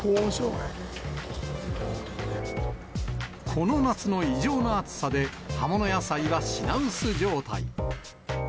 この夏の異常な暑さで、葉物野菜は品薄状態。